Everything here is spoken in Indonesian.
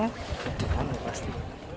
ya tidak pasti